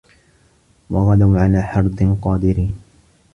وَغَدَوا عَلى حَردٍ قادِرينَ